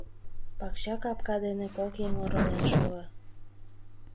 Пакча капка дене кок еҥ оролен шога.